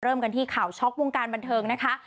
เริ่มกันที่ข่าวช็อกวงการบันเทิงนะคะ